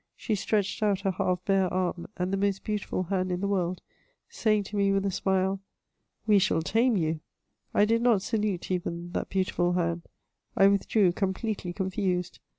She stretched out her half bare arm, and the most beautiful hand in the world, saying to me with a smile, '* We shall tame you." I did not salute even that beautiful hand ; I withdrew completely confused.